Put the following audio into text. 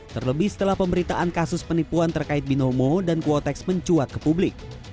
terlebih setelah pemberitaan kasus penipuan terkait binomo dan quotex mencuat ke publik